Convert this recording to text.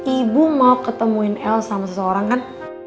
ibu mau ketemuin el sama seseorang kan